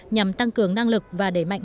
nhằm tăng cường năng lực và đẩy mạnh